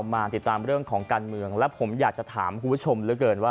มาติดตามเรื่องของการเมืองและผมอยากจะถามคุณผู้ชมเหลือเกินว่า